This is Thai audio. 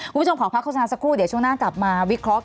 คุณผู้ชมขอพักโฆษณาสักครู่เดี๋ยวช่วงหน้ากลับมาวิเคราะห